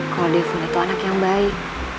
kalau defen itu anak yang baik